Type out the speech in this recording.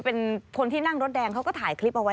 เป็นคนที่นั่งรถแดงเขาก็ถ่ายคลิปเอาไว้